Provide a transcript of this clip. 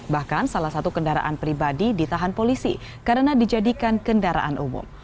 bahkan salah satu kendaraan pribadi ditahan polisi karena dijadikan kendaraan umum